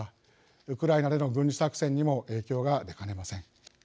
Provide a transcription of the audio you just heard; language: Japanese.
ウクライナでの軍事作戦にも影響が出かねません。